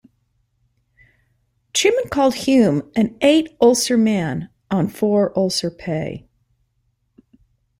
Truman called Hume an eight ulcer man on four ulcer pay.